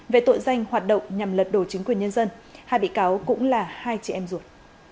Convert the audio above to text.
về tội danh hoạt động nhằm lật đổ chính quyền nhân dân hai bị cáo cũng là hai chị em ruột